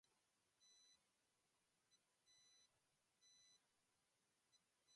Hauteskunde hauek prozesu horren bigarren zatia dira.